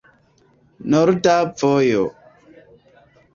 Norda vojo.